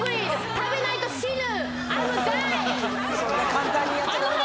食べないと死ぬ。